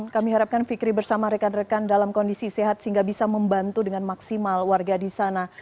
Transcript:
kami harapkan fikri bersama rekan rekan dalam kondisi sehat sehingga bisa membantu dengan maksimal warga di sana